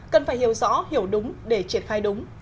cần phải hiểu rõ hiểu đúng để triển khai đúng